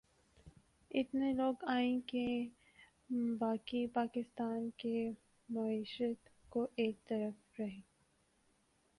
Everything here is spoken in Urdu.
اتنے لوگ آئیں کہ باقی پاکستان کی معیشت تو ایک طرف رہی